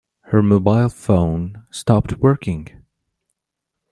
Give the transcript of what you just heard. Her mobile phone stopped working.